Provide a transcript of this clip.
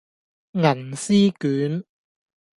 銀絲卷